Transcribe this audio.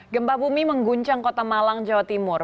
gempa bumi mengguncang kota malang jawa timur